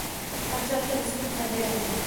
پاچا تل سپين کالي اغوندي .